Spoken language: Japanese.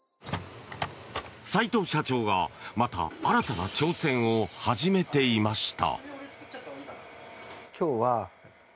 齋藤社長が、また新たな挑戦を始めていました。